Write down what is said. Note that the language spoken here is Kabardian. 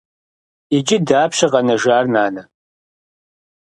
Иджы дапщэ къэнэжар, нанэ?